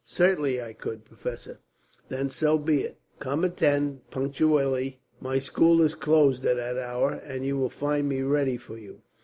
"Certainly I could, professor." "Then so be it. Come at ten, punctually. My school is closed at that hour, but you will find me ready for you."